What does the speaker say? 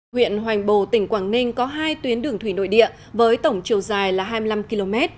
huyện hoành bồ tỉnh quảng ninh có hai tuyến đường thủy nội địa với tổng chiều dài là hai mươi năm km